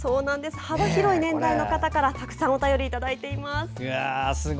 幅広い年代の方からたくさんいただいています。